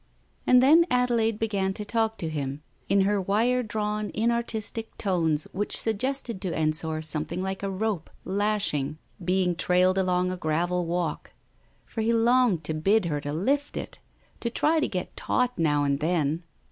And then Adelaide began to talk to him in her wire drawn inartistic tones which suggested to Ensor some thing like a rope, lashing, being trailed along a gravel walk, for he longed to bid her lift it, to try to get taut now and then.